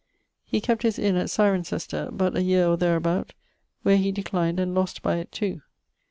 He kept his inne at Cirencester, but a year or therabout, where he declined and lost by it too.